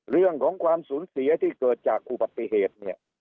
เรื่องของความสูญเสียที่เกิดจากอุบัติเหตุเนี่ย